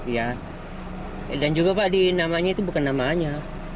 ya dan juga pak di namanya itu bukan namanya